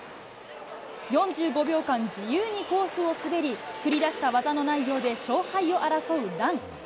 ４５秒間自由にコースを滑り、繰り出した技の内容で勝敗を争うラン。